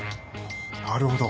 なるほど。